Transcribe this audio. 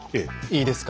いいですか？